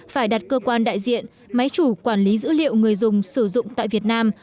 phải đặt cơ quan đại diện máy chủ quản lý dữ liệu người dùng sử dụng tại việt nam